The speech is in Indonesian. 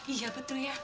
iya betul ya